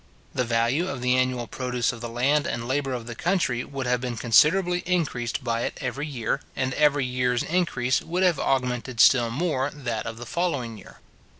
The value of the annual produce of the land and labour of the country would have been considerably increased by it every year, and every years increase would have augmented still more that of the following year.